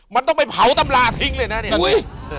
มันต้องไปเผาตำราทิ้งเลยนะเนี่ย